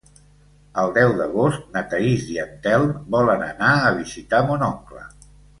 El deu d'agost na Thaís i en Telm volen anar a visitar mon oncle.